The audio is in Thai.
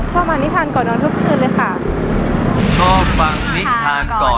ชอบมานิทานก่อนนอนคลึบคืนเลยค่ะ